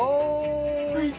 はい。